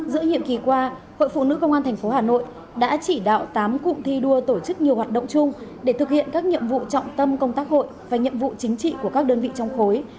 giữa nhiệm kỳ qua hội phụ nữ công an tp hà nội đã chỉ đạo tám cụm thi đua tổ chức nhiều hoạt động chung để thực hiện các nhiệm vụ trọng tâm công tác hội và nhiệm vụ chính trị của các đơn vị trong khối